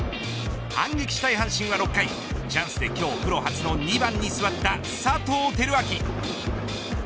反撃したい阪神は６回チャンスで今日プロ初の２番に座った佐藤輝明。